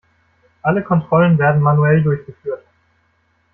Alle Kontrollen werden manuell durchgeführt.